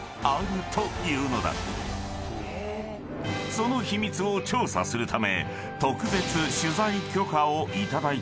［その秘密を調査するため］